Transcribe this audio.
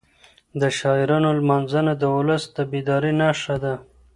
د شاعرانو لمانځنه د ولس د بیدارۍ نښه ده.